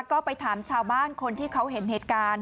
ก็ไปถามชาวบ้านคนที่เขาเห็นเหตุการณ์